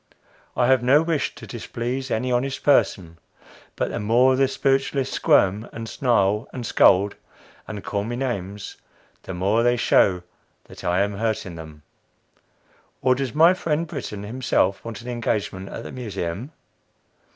I have no wish to displease any honest person; but the more the spiritualists squirm, and snarl, and scold, and call names, the more they show that I am hurting them. Or does my friend Brittan himself want an engagement at the Museum?